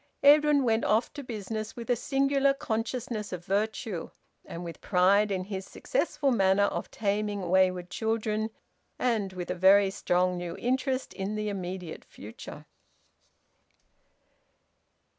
Edwin went off to business with a singular consciousness of virtue, and with pride in his successful manner of taming wayward children, and with a very strong new interest in the immediate future.